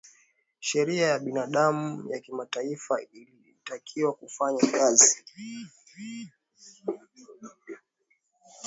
sheria ya binadamu ya kimataifa ilitakiwa kufanya kazi